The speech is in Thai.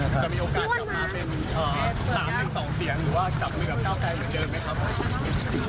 จะมีโอกาสจะมาเป็น๓๒เสียงหรือว่าจับเหนือเก้าแพงเหมือนเดิมไหมครับ